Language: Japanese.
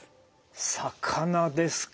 魚ですか。